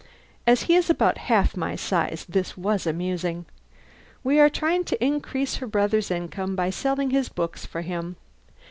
(As he is about half my size this was amusing.) "We are trying to increase her brother's income by selling his books for him.